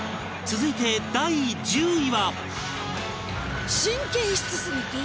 続いて第１０位は